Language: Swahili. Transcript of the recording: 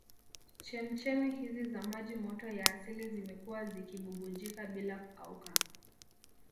Chemchem hizi za maji moto ya asili zimekuwa zikibubujika bila kukauka